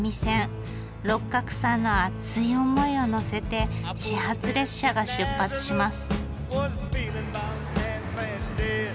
六角さんの熱い思いを乗せて始発列車が出発します。